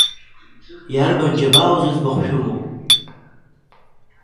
Иарбан џьабаау зыӡбахә шәымоу?